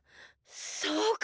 そうか！